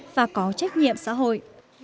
và có trách nhiệm xã hội